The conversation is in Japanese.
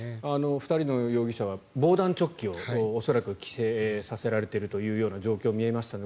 ２人の容疑者は防弾チョッキを恐らく着させられているという状況が見えましたので